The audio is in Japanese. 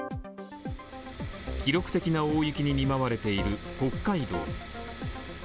記録的な大雪に見舞われている北海道。